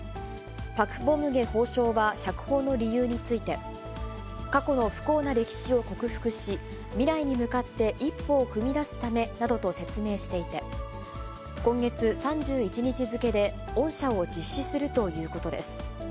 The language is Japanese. パク・ボムゲ法相は釈放の理由について、過去の不幸な歴史を克服し、未来に向かって一歩を踏み出すためなどと説明していて、今月３１日付で、恩赦を実施するということです。